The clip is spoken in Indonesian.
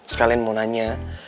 sekalian mau nanya